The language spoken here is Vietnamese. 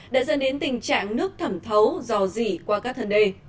đã dẫn đến tình trạng nước thẩm thấu dò dỉ qua các thân đề